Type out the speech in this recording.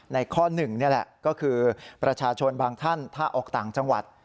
ข้อหนึ่งนี่แหละก็คือประชาชนบางท่านถ้าออกต่างจังหวัด